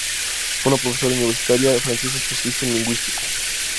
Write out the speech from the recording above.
Fue una profesora universitaria francesa especialista en lingüística.